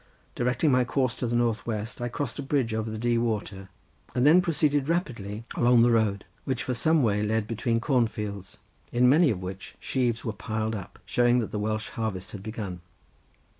Directing my course to the north west, I crossed a bridge over the Dee water and then proceeded rapidly along the road, which for some way lay between cornfields, in many of which sheaves were piled up, showing that the Welsh harvest was begun.